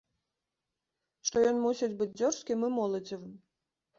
Што ён мусіць быць дзёрзкім і моладзевым.